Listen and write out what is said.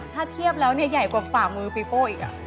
ถ้าเทียบแล้วเนี่ยใหญ่กว่าฝ่ามือปีโป้อีก